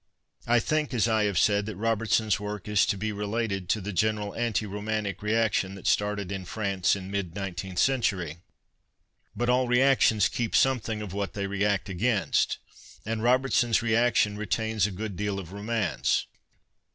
I think, as I have said, that Robertson's work is to be related to the general anti romantic reaction that started in France in mid nineteenth century. But all reactions keep something of what they react against, and Robertsons reaction retains a good deal of romance.